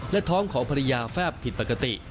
และท้องของภรรยาแฟบผิดปกติ